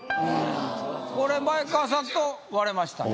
これ前川さんと割れましたね